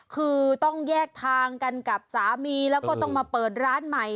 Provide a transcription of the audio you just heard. คือต้องแยกทางกันกับสามีแล้วก็ต้องมาเปิดร้านใหม่